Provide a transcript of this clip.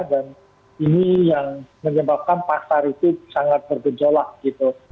dan ini yang menyebabkan pasar itu sangat bergejolak gitu